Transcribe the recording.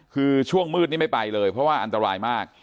คือช่วงมืดนี่ไม่ไปเลยเพราะว่าอันตรายมาก